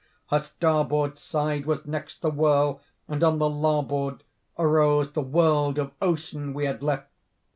Her starboard side was next the whirl, and on the larboard arose the world of ocean we had left.